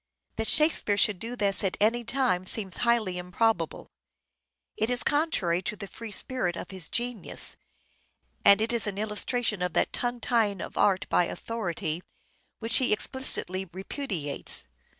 That " Shakespeare " should do this at any time seems highly improbable : it is contrary to the free spirit of his genius, and it is an illustration of that " tongue tying of art by authority " which he explicitly repudiates.